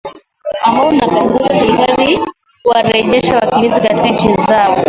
ambao unazikataza serikali kuwarejesha wakimbizi katika nchi zao